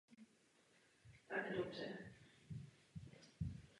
Jedním z nich je dosažení rovných příležitostí žen a mužů.